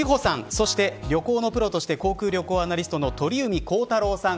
そして旅行のプロとして航空・旅行アナリストの鳥海高太朗さん。